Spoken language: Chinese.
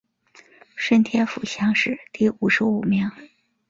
顺天府乡试第五十五名。